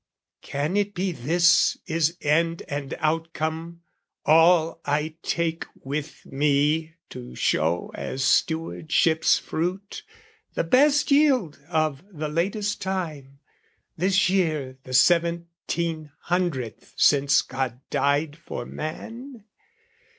Can it be this is end and outcome, all I take with me to show as stewardship's fruit, The best yield of the latest time, this year The seventeen hundredth since God died for man?